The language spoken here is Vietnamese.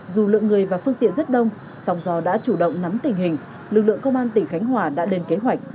dù lượng người và phương tiện rất đông song do đã chủ động nắm tình hình lực lượng công an tỉnh khánh hòa đã lên kế hoạch